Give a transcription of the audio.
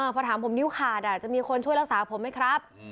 พอถามผมนิ้วขาดจะมีคนช่วยรักษาผมไหมครับ